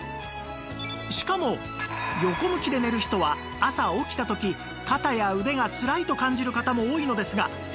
しかも横向きで寝る人は朝起きた時肩や腕がつらいと感じる方も多いのですが